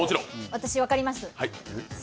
私、分かります。